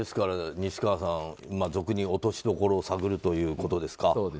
西川さん、俗にいう落としどころを探るということですか。